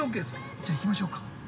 じゃあ行きましょうか。